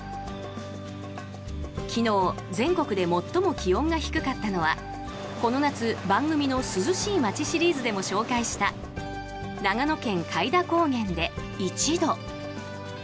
昨日、全国で最も気温が低かったのはこの夏、番組の涼しい街シリーズでも紹介した長野県・開田高原で、１度。